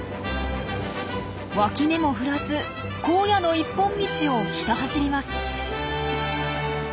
脇目も振らず荒野の一本道をひた走ります。